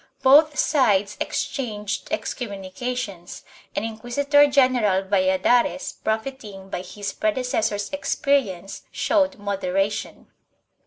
Both sides exchanged excommuni cations and Inquisitor general Valladares, profiting by his pre decessor's experience, showed moderation.